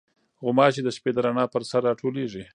غوماشې د شپې د رڼا پر سر راټولېږي.